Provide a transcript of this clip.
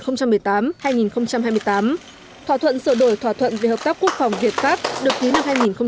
thỏa thuận sửa đổi thỏa thuận về hợp tác quốc phòng việt pháp được ký năm hai nghìn chín